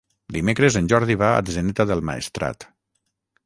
Dimecres en Jordi va a Atzeneta del Maestrat.